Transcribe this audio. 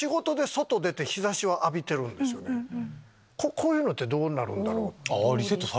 こういうのってどうなるんだろう？